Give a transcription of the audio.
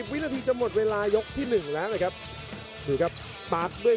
โปรดติดตามต่อไป